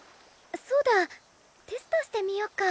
そうだテストしてみよっか。